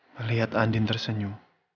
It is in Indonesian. melihat andin tersenyum